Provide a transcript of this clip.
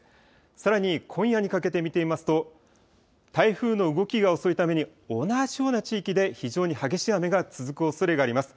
さらに今夜にかけて見てみますと、台風の動きが遅いために同じような地域で、非常に激しい雨が続くおそれがあります。